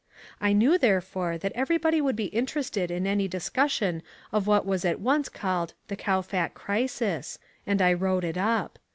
I knew therefore that everybody would be interested in any discussion of what was at once called "the Kowfat Crisis" and I wrote it up.